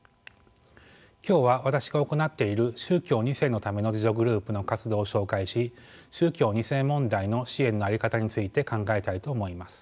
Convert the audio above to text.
今日は私が行っている宗教２世のための自助グループの活動を紹介し宗教２世問題の支援の在り方について考えたいと思います。